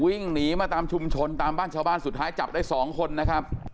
วิ่งหนีมาตามชุมชนตามบ้านชาวบ้านสุดท้ายจับได้๒คนนะครับ